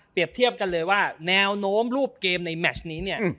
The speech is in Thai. เทียบกันเลยว่าแนวโน้มรูปเกมในแมชนี้เนี่ย